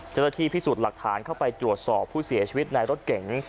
เจ้าหน้าที่พิสูจน์หลักฐานเข้าไปตรวจสอบผู้เสียชีวิตในรถเก๋ง